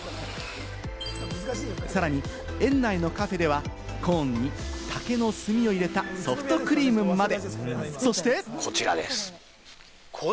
さらに園内のカフェではコーンに竹の炭を入れたソフトクリームまで。